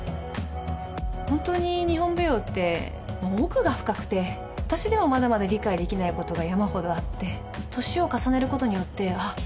本当に日本舞踊って奥が深くて私ではまだまだ理解できないことが山ほどあって年を重ねることによってあっ